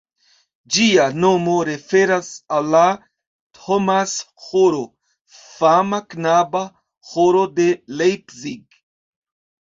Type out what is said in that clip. Ĝia nomo referas al la Thomas-ĥoro, fama knaba ĥoro de Leipzig.